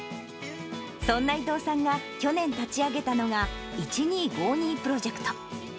そんな伊藤さんが去年、立ち上げたのが、１２５２プロジェクト。